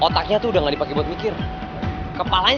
daripada gabung sama lo